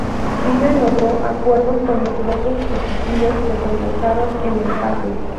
Chile logró acuerdos con los "votos fugitivos" que provocaron el empate.